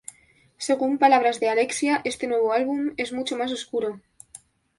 Según palabras de Alexia: "este nuevo álbum es mucho más oscuro".